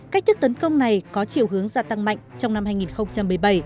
cách thức tấn công này có chiều hướng gia tăng mạnh trong năm hai nghìn một mươi bảy